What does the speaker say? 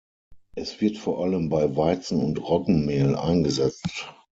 Es wird vor allem bei Weizen- und Roggenmehl eingesetzt.